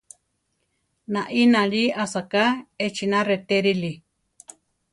Naí náli asáka, echina retérili.